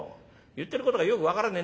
言ってることがよく分からねえ。